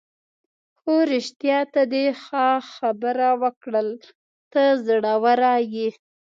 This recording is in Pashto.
هو رښتیا، ته دې ښه خبره وکړل، ته زړوره یې.